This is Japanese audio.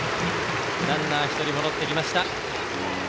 ランナー、１人戻ってきました。